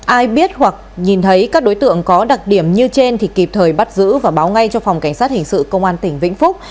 ai biết hoặc nhìn thấy các đối tượng có đặc điểm như trên thì kịp thời bắt giữ và báo ngay cho phòng cảnh sát hình sự công an tỉnh vĩnh phúc